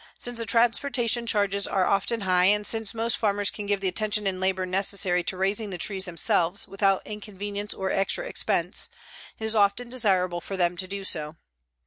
Since the transportation charges are often high, and since most farmers can give the attention and labor necessary to raising the trees themselves without inconvenience or extra expense, it is often desirable for them to do so.